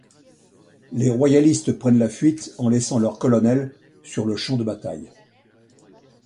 Les royalistes prennent la fuite en laissant leur colonel sur le champ de bataille.